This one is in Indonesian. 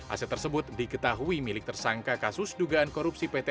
aset tersebut diketahui milik tersangka kasus dugaan korupsi pt